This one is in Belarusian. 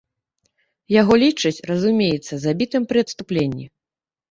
Яго лічаць, разумеецца, забітым пры адступленні.